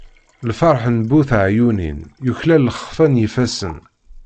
Lferḥ n bu teɛyunin, yuklal lxeffa n yifassen.